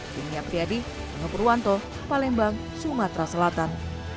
tinggi apriyadi ngo purwanto palembang sumatera selatan